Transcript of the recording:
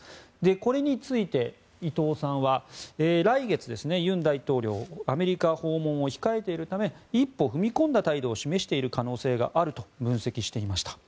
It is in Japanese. これについて伊藤さんは来月、尹大統領アメリカ訪問を控えているため一歩踏み込んだ態度を示している可能性があると分析していました。